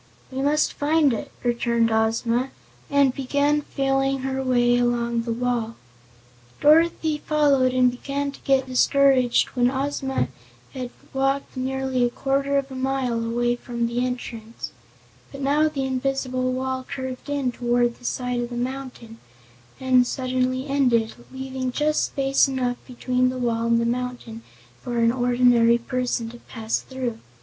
"We must find it," returned Ozma, and began feeling her way along the wall. Dorothy followed and began to get discouraged when Ozma had walked nearly a quarter of a mile away from the entrance. But now the invisible wall curved in toward the side of the mountain and suddenly ended, leaving just space enough between the wall and the mountain for an ordinary person to pass through.